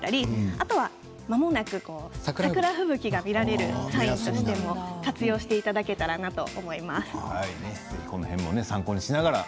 あとは、まもなく桜吹雪が見られるサインとしても活用していただけたらと思います。